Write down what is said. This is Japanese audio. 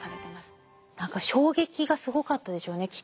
何か衝撃がすごかったでしょうねきっと。